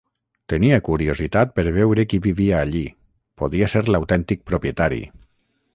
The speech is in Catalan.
Tenia curiositat per veure qui vivia allí, podia ser l'autèntic propietari.